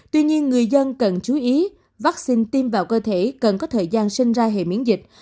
tuy nhiên người dân cần chú ý vaccine tiêm vào cơ thể cần có thời gian sinh ra hệ miễn dịch